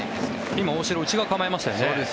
今、大城内側に構えましたよね。